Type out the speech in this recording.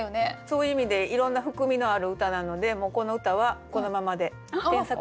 そういう意味でいろんな含みのある歌なのでもうこの歌はこのままで添削なしでいきたいと思います。